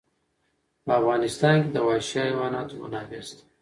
په افغانستان کې د وحشي حیواناتو منابع شته.